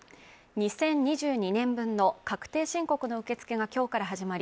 ２０２２年分の確定申告の受け付けがきょうから始まり